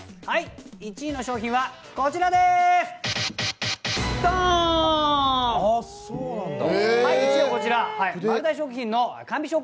１位の商品はこちらです、ドン！